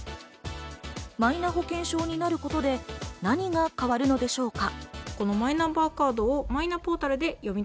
マイナ保険証になることで、何が変わるのでしょうか？